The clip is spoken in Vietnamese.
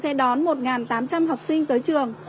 sẽ đón một tám trăm linh học sinh tới trường